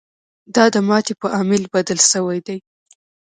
دا د ماتې په عامل بدل شوی دی.